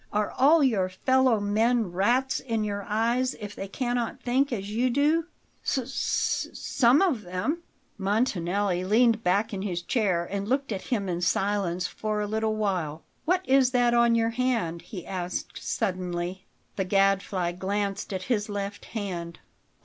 Are all your fellow men rats in your eyes if they cannot think as you do?" "S s some of them." Montanelli leaned back in his chair and looked at him in silence for a little while. "What is that on your hand?" he asked suddenly. The Gadfly glanced at his left hand.